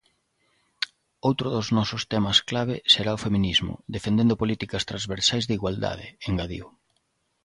Outro dos nosos temas clave será o feminismo, defendendo políticas transversais de igualdade, engadiu.